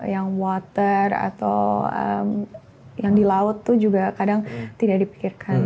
yang water atau yang di laut itu juga kadang tidak dipikirkan